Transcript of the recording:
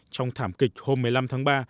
trong thảm kịch hôm một mươi năm tháng ba